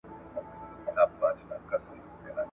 زه خواړه سم مزه داره ته مي خوند نه سې څکلای ,